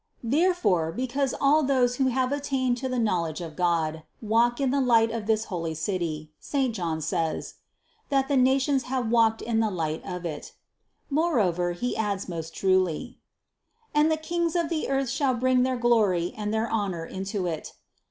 Therefore, because all those who have attained to the knowledge of God, walked in the light of this 244 CITY OF GOD holy City, St. John says: "that the nations have walked in the light of it." Moreover he adds most truly: 302. "And the kings of the earth shall bring their glory and their honor into it."